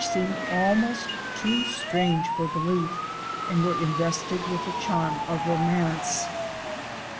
3 seemed almost too strange for belief, and were in vested with the charm of romance.